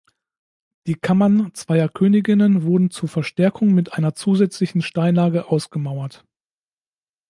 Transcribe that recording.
Die Kammern zweier Königinnen wurden zur Verstärkung mit einer zusätzlichen Steinlage ausgemauert.